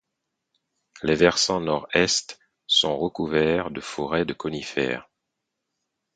Les versants nord-est sont recouverts de forêts de conifères.